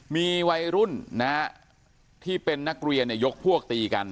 มีวัยรุ่นนะฮะที่เป็นนักเรียนยกพวกตีกัน